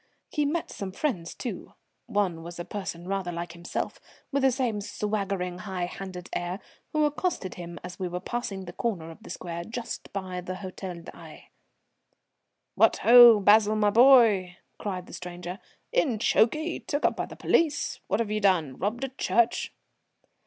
He met some friends, too, one was a person rather like himself, with the same swaggering high handed air, who accosted him as we were passing the corner of the square just by the Hôtel d'Aix. "What ho! Basil my boy!" cried the stranger. "In chokey? Took up by the police? What've you done? Robbed a church?"